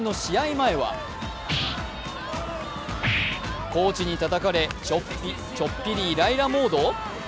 前はコーチにたたかれちょっぴりイライラモード？